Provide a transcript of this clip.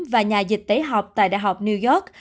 và nhà dịch tễ học tại đại học new york